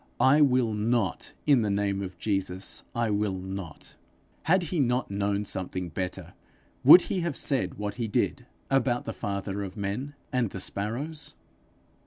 I will not; in the name of Jesus, I will not. Had he not known something better, would he have said what he did about the father of men and the sparrows?